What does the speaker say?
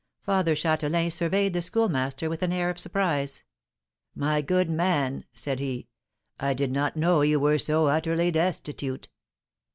Father Châtelain surveyed the Schoolmaster with an air of surprise. "My good man," said he, "I did not know you were so utterly destitute."